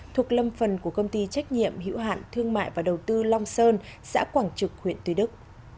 thuộc lâm phần của công ty trách nhiệm hữu hạn thương mại và đầu tư long sơn xã quảng trực huyện tuy đức